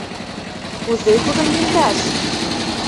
«Кузе тудым лӱмдаш?